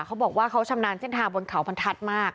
เขาบอกว่าเขาชำนาญเส้นทางบนเขาบรรทัศน์มาก